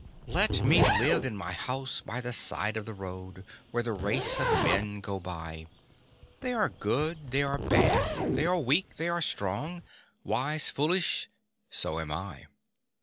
Let me live in my house by the side of the road Where the race of men go by They are good, they are bad, they are weak, they are strong, Wise, foolish so am I.